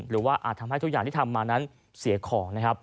อาจทำให้ทุกอย่างที่ทำมานั้นเสียของนะครับ